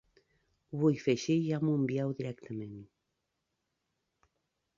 Ho vull fer així ja m'ho envieu directament.